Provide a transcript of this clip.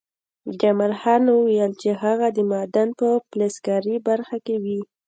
جمال خان وویل چې هغه د معدن په فلزکاري برخه کې وي